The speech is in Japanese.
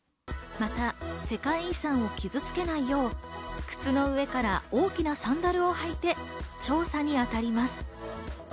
また、世界遺産を傷付けないよう、靴の上から大きなサンダルを履いて調査に当たります。